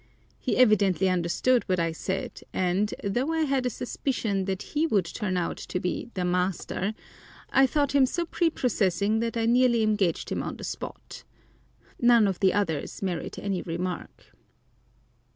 He evidently understood what I said, and, though I had a suspicion that he would turn out to be the "master," I thought him so prepossessing that I nearly engaged him on the spot. None of the others merit any remark.